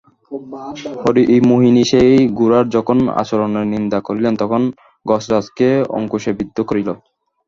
হরিমোহিনী সেই গোরার যখন আচরণের নিন্দা করিলেন তখন গজরাজকে অঙ্কুশে বিদ্ধ করিল।